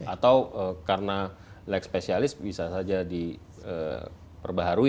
atau karena leg spesialis bisa saja diperbaharui